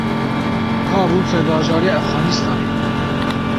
Kabûl serbajarê Efxanistanê ye.